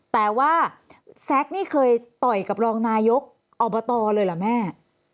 แต่ว่าแซ็กนี่เคยต่อยกับรองนายกอบตเลยเหรอแม่